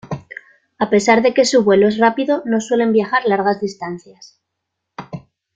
A pesar de que su vuelo es rápido, no suelen viajar largas distancias.